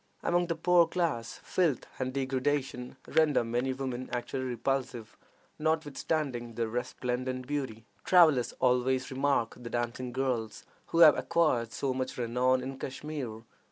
Among the poorer classes filth and degradation render many women actually repulsive, notwithstanding their resplendent beauty. Travelers always remark the dancing girls who have acquired so much renown in Kashmir.